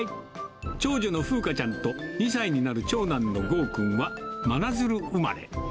長女のふうかちゃんと、２歳になる長男のごうくんは、真鶴生まれ。